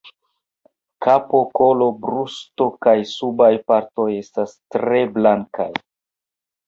Kapo, kolo, brusto kaj subaj partoj estas tre blankaj.